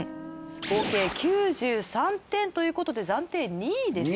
合計９３点ということで暫定２位ですね。